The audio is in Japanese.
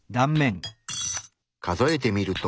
数えてみると。